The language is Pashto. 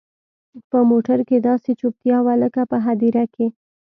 په موټر کښې داسې چوپتيا وه لكه په هديره کښې.